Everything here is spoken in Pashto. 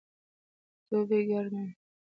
دوبئ ګرم وي